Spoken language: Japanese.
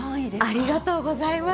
ありがとうございます。